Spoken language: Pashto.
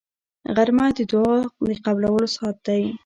غرمه د دعا د قبولو ساعت دی